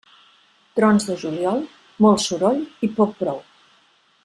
Trons de juliol, molt soroll i poc brou.